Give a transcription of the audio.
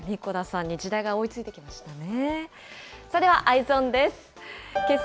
神子田さんに時代が追いついてきましたね。